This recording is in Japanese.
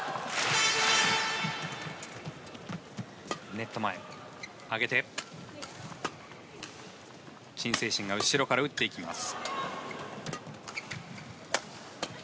ネット前、上げてチン・セイシンが後ろから打っていきます。